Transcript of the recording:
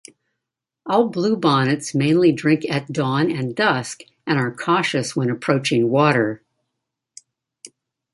All bluebonnets mainly drink at dawn and dusk and are cautious when approaching water.